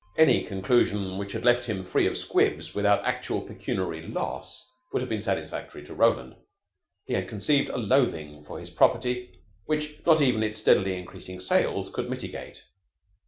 Any conclusion which had left him free of 'Squibs' without actual pecuniary loss would have been satisfactory to Roland. He had conceived a loathing for his property which not even its steadily increasing sales could mitigate.